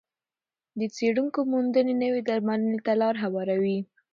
د څېړونکو موندنې نوې درملنې ته لار هواروي.